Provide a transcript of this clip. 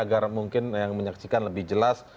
agar mungkin yang menyaksikan lebih jelas